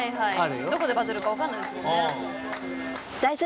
どこでバズるか分かんないですもんね。